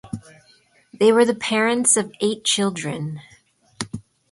They were the parents of eight children.